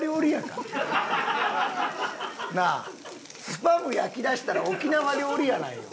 スパム焼きだしたら沖縄料理屋なんよ。